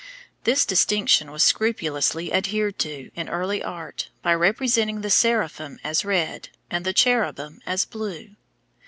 This distinction was scrupulously adhered to in early art by representing the seraphim as red, and the cherubim as blue.